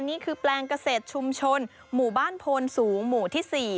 นี่คือแปลงเกษตรชุมชนหมู่บ้านโพนสูงหมู่ที่๔